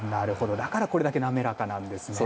だからこれだけ滑らかなんですね。